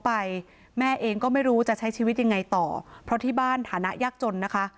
ไปแม่เองก็ไม่รู้จะใช้ชีวิตยังไงต่อเพราะที่บ้านฐานะยากจนนะคะ